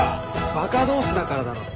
バカ同士だからだろ。